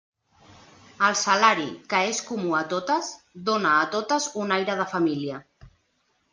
El salari, que és comú a totes, dóna a totes un aire de família.